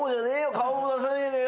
顔も出さねえでよ。